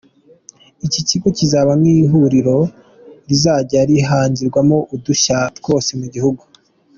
Iki kigo kizaba nk’ihuriro rizajya rihangirwamo udushya twose mu gihugu.